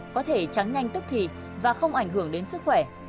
có thể trắng nhanh tức thì và không ảnh hưởng đến sức khỏe